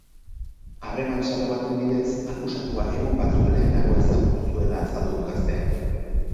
Harreman sare baten bidez akusatua egun batzuk lehenago ezagutu zuela azaldu du gazteak.